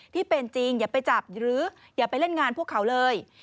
ที่เป็นจริงอย่าไปจับหรืออย่าไปเล่นงานพวกเขาเลย